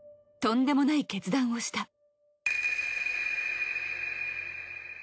とんでもない決断をした。